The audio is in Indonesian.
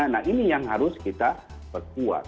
nah ini yang harus kita perkuat